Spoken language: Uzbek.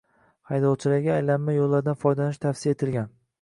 Haydovchilarga aylanma yo‘llardan foydalanish tavsiya etilgan